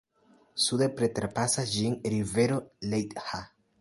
Sude preterpasas ĝin rivero Leitha.